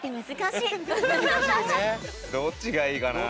どっちがいいかな。